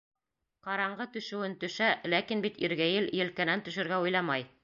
Ҡараңғы төшөүен-төшә, ләкин бит иргәйел елкәнән төшөргә уйламай!